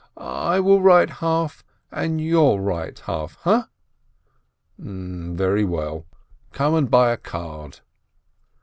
I'll write half, and you'll write half, ha?" "Very well. Come and buy a card."